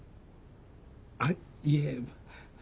あっいえ。